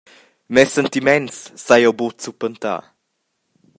Mes sentiments saiel jeu buca zuppentar.